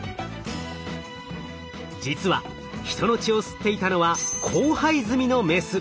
実は人の血を吸っていたのは交配済みのメス。